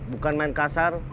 bukan main kasar